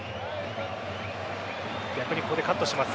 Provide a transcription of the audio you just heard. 逆に、ここでカットします。